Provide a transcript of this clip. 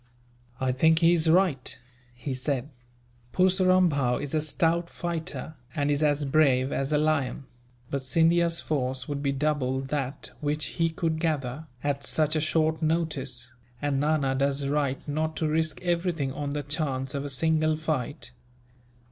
"I think he is right," he said. "Purseram Bhow is a stout fighter, and is as brave as a lion; but Scindia's force would be double that which he could gather, at such a short notice, and Nana does right not to risk everything on the chance of a single fight.